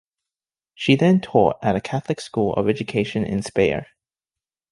She then taught at a Catholic school of education in Speyer.